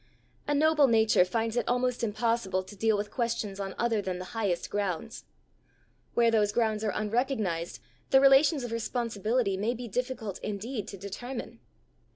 A noble nature finds it almost impossible to deal with questions on other than the highest grounds: where those grounds are unrecognized, the relations of responsibility may be difficult indeed to determine.